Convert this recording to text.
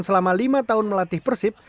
selama lima tahun melatih persib